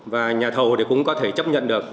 và nhà thầu thì cũng có thể chấp nhận được